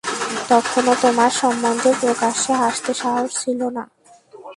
তখনও তোমার সম্বন্ধে প্রকাশ্যে হাসতে সাহস ছিল না।